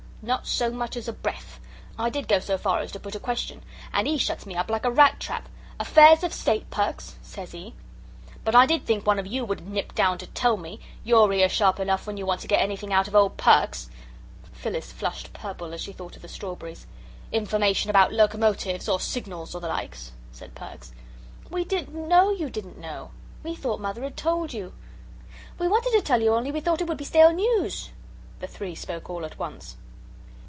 "Not so much as a breath. I did go so far as to put a question. And he shuts me up like a rat trap. 'Affairs of State, Perks,' says he. But I did think one o' you would 'a' nipped down to tell me you're here sharp enough when you want to get anything out of old Perks" Phyllis flushed purple as she thought of the strawberries "information about locomotives or signals or the likes," said Perks. "We didn't know you didn't know." "We thought Mother had told you." "Wewantedtotellyouonlywethoughtitwouldbestalenews." The three spoke all at once.